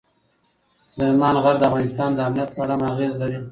سلیمان غر د افغانستان د امنیت په اړه هم اغېز لري.